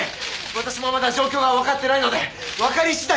私もまだ状況がわかってないのでわかり次第